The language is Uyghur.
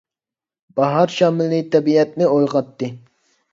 باھار شامىلى تەبىئەتنى ئويغاتتى.